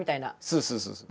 そうそうそうそう。